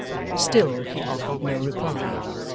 Still he offered no reply.